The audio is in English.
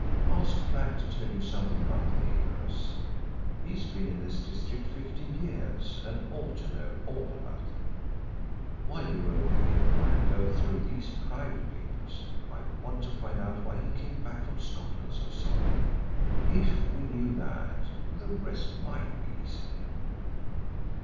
Ask Flack to tell you something about the neighbours he's been in this district fifteen years, and ought to know all about them. While you're away I'll go through these private papers. I want to find out why he came back from Scotland so suddenly. If we knew that the rest might be easy."